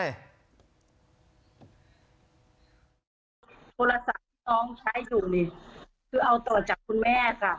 โทรศัพท์ที่น้องใช้อยู่นี่คือเอาต่อจากคุณแม่ค่ะ